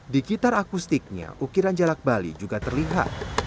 di gitar akustiknya ukiran jalak bali juga terlihat